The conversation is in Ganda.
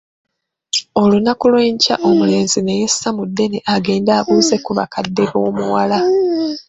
Olunaku lw'ekya omulenzi ne yessa mu ddene agende abuuze ku bakadde b omuwala.